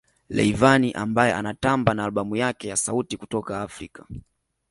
Rayvanny ambaye anatamba na albamu yake ya sauti kutoka Afrika